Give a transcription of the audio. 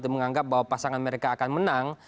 menganggap bahwa pasangan mereka akan menang